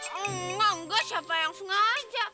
hmm enggak siapa yang sengaja